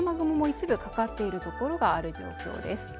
一部かかっているところがある状況です。